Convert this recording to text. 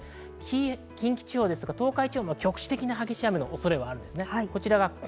近畿地方、東海地方も局地的に激しい雨の恐れがあります。